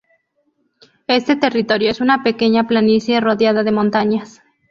Este territorio es una pequeña planicie rodeada de montañas.